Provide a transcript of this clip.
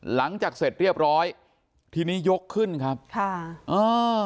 หลังจากเสร็จเรียบร้อยทีนี้ยกขึ้นครับค่ะเออ